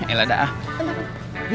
ah elah da'ah